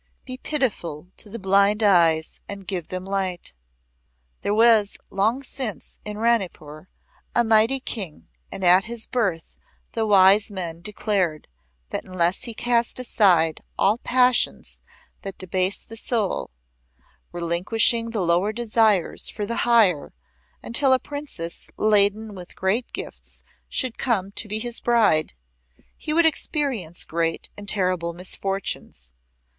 Be pitiful to the blind eyes and give them light." There was long since in Ranipur a mighty King and at his birth the wise men declared that unless he cast aside all passions that debase the soul, relinquishing the lower desires for the higher until a Princess laden with great gifts should come to be his bride, he would experience great and terrible misfortunes.